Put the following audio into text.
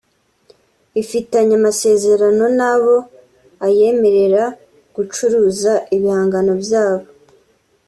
ifitanye amasezerano nabo ayemerera gucuruza ibihangano byabo